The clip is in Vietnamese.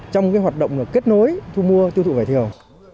trong hoạt động kết nối thu mua tiêu thụ vải thiều